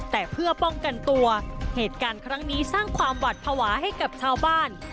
แต่เพื่อป้องกันตัวเหตุการณ์ครั้งนี้สร้างความหวัดภาวะให้กับชาวบ้าน